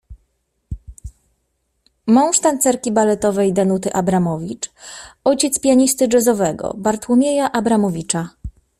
Mąż tancerki baletowej Danuty Abramowicz - ojciec pianisty jazzowego Bartłomieja Abramowicza.